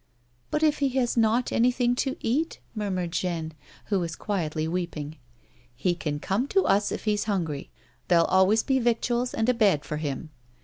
" But if he has not anything to eat 1 " murmured Jeanne; who was quietly weeping. " He can corae to us if he's hungry ; there'll always be victuals and a bed for him.